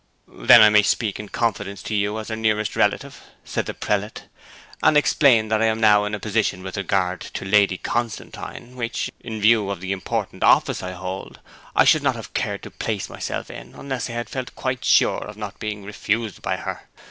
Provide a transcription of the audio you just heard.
'Then I may speak in confidence to you as her nearest relative,' said the prelate, 'and explain that I am now in a position with regard to Lady Constantine which, in view of the important office I hold, I should not have cared to place myself in unless I had felt quite sure of not being refused by her.